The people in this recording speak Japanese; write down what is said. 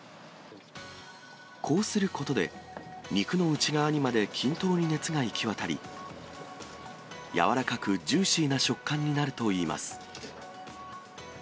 こうすることで、肉の内側にまで均等に熱が行き渡り、柔らかくジューシーな食感になるといいます。